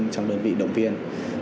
trong đơn vị động viên